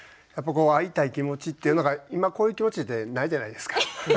やっぱ会いたい気持ちっていうのが今こういう気持ちってないじゃないですか。